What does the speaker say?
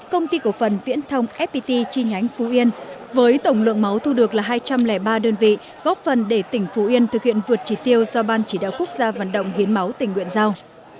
công ty cổ phần viễn thông fpt chi nhánh phú yên với tổng lượng máu thu được là hai trăm linh ba đơn vị góp phần để tỉnh phú yên thực hiện vượt chỉ tiêu do ban chỉ đạo quốc gia vận động hiến máu tình nguyện giao